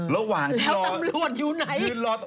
ระหว่างที่รอแล้วตำรวจอยู่ไหน